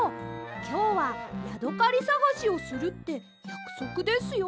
きょうはヤドカリさがしをするってやくそくですよ。